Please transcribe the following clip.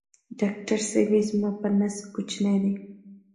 ډاکټر صېبې زما په نس کوچینی دی